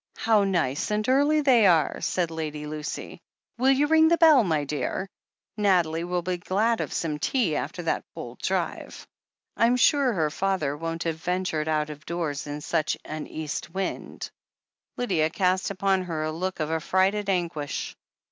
How nice and early they are!" said Lady Lucy. Will you ring the bell, my dear ? Nathalie will be glad of some tea, after that cold drive. Tm sure her father won't have ventured out of doors in such an east wind." Lydia cast upon her a look of affrighted anguish.